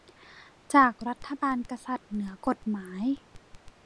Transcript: จากรัฐบาลกษัตริย์เหนือกฎหมาย